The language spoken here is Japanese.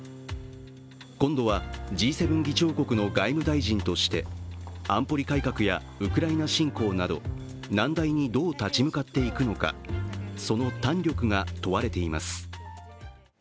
今度はＧ７議長国の外務大臣として安保理改革やウクライナ侵攻など難題にどう立ち向かっていくのか、その胆力が問われています。